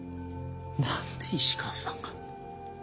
何で石川さんが。